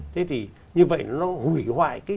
thế thì như vậy nó hủy hoại